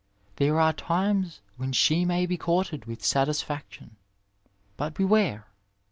There are times when she may be courted with satisfaction, but beware